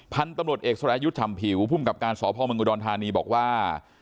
พันธุ์ตำรวจเอกสุริยุทธรรมผิวภูมิกับการสพมดธานีบอกว่า